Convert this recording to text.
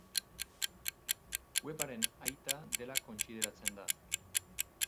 Webaren aita dela kontsideratzen da.